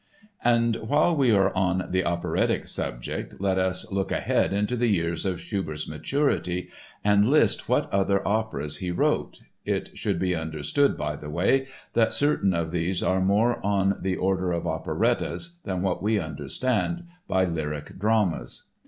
And, while we are on the operatic subject, let us look ahead into the years of Schubert's maturity and list what other operas he wrote (it should be understood, by the way, that certain of these are more on the order of operettas than what we understand by lyric dramas).